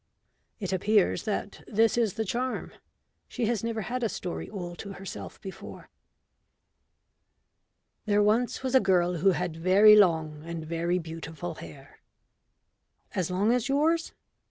It appears that this is the charm. She has never had a story all to herself before.] There once was a girl who had very long and very beautiful hair. (_As long as yours?